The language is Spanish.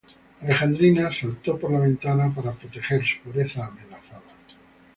Alejandrina, saltó por la ventana para proteger su pureza amenazada.